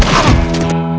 kita harus berhenti